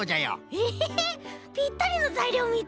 へえぴったりのざいりょうみつけたんだね。